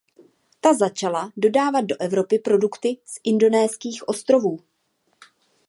Ta začala dodávat do Evropy produkty z indonéských ostrovů.